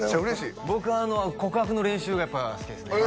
僕あの告白の練習がやっぱ好きですねええ！